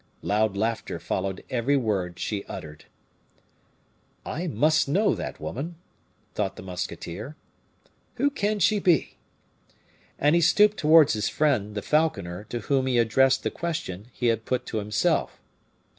Loud laughter followed every word she uttered. "I must know that woman," thought the musketeer; "who can she be?" And he stooped towards his friend, the falconer, to whom he addressed the question he had put to himself.